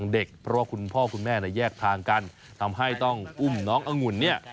เรื่องนี้นะครับนายสมคงโยนกอายุ๕๔ปี